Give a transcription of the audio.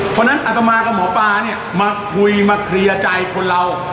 เพราะฉะนั้นอัตมากับหมอปลาเนี่ยมาคุยมาเคลียร์ใจคนเรา